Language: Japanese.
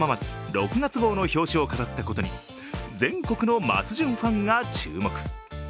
６月号の表紙を飾ったことに、全国の松潤ファンが注目。